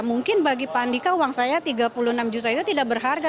mungkin bagi pandika uang saya rp tiga puluh enam itu tidak berharga